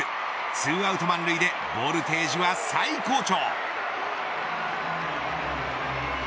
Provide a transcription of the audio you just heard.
２アウト満塁でボルテージは最高潮。